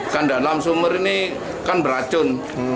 kan dalam sumur ini kan beracun